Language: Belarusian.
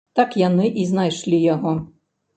Так яны і знайшлі яго.